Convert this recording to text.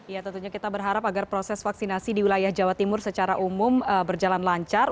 ya tentunya kita berharap agar proses vaksinasi di wilayah jawa timur secara umum berjalan lancar